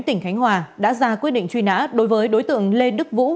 tỉnh khánh hòa đã ra quyết định truy nã đối với đối tượng lê đức vũ